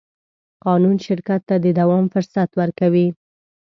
قانون شرکت ته د دوام فرصت ورکوي.